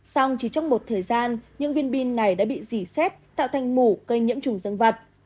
xong chỉ trong một thời gian những viên bi này đã bị dì xét tạo thành mủ gây nhiễm chủng dân vật